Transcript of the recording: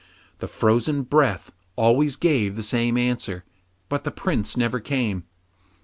The frozen breath always gave the same answer, but the Prince never came.